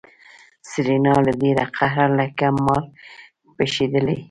سېرېنا له ډېره قهره لکه مار پشېدله.